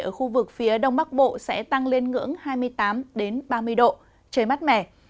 ở khu vực phía đông bắc bộ sẽ tăng lên ngưỡng hai mươi tám ba mươi độ trời mát mẻ